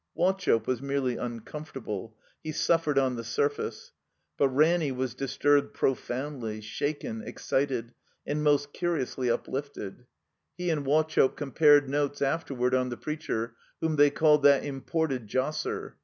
Wauchope was merely uncomfortable. He suf fered on the surface. But Ranny was disturbed pro f oimdly, shaken, excited, and most curiotisly uplifted. xo8 THE COMBINED MAZE He and Wauchope compared notes afterward on the preacher, whom they called ''that imported josser."